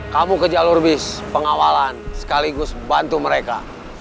kamu ke jalur bis pengawalan sekaligus bantu mereka